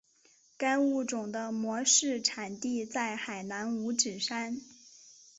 该物种的模式产地在海南五指山。